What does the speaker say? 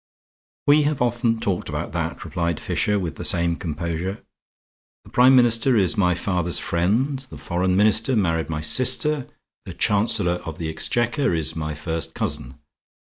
"We have often talked about that," replied Fisher, with the same composure. "The Prime Minister is my father's friend. The Foreign Minister married my sister. The Chancellor of the Exchequer is my first cousin.